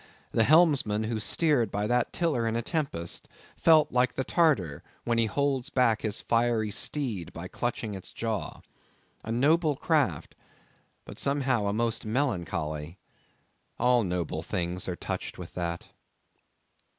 The helmsman who steered by that tiller in a tempest, felt like the Tartar, when he holds back his fiery steed by clutching its jaw. A noble craft, but somehow a most melancholy! All noble things are touched with that.